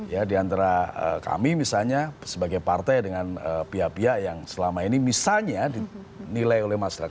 ya diantara kami misalnya sebagai partai dengan pihak pihak yang selama ini misalnya dinilai oleh masyarakat